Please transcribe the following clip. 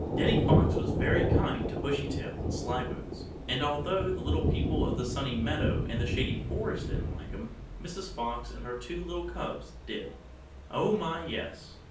Danny Fox was very kind to Bushytail and Slyboots, and although the Little People of the Sunny Meadow and the Shady Forest didn't like him, Mrs. Fox and her two little cubs did. Oh my, yes!